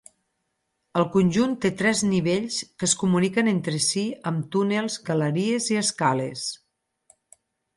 El conjunt té tres nivells que es comuniquen entre si amb túnels, galeries i escales.